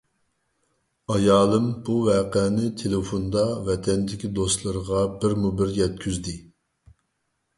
ئايالىم بۇ ۋەقەنى تېلېفوندا ۋەتەندىكى دوستلىرىغا بىرمۇبىر يەتكۈزدى.